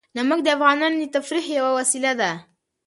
نمک د افغانانو د تفریح یوه وسیله ده.